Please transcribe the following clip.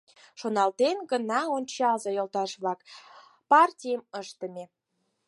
— Шоналтен гына ончыза, йолташ-влак, партийым ыштыме.